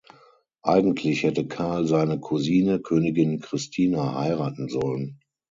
Eigentlich hätte Karl seine Cousine, Königin Christina, heiraten sollen.